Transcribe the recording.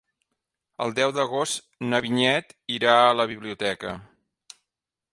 El deu d'agost na Vinyet irà a la biblioteca.